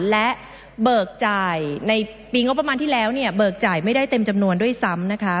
และเบิกจ่ายในปีงบประมาณที่แล้วเนี่ยเบิกจ่ายไม่ได้เต็มจำนวนด้วยซ้ำนะคะ